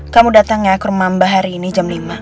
kamu datang ya ke rumahmba hari ini jam lima